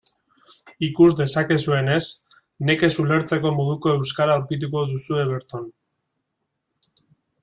Ikus dezakezuenez, nekez ulertzeko moduko euskara aurkituko duzue berton.